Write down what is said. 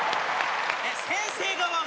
先生側が？